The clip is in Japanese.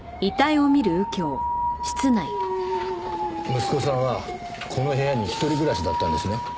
息子さんはこの部屋に一人暮らしだったんですね？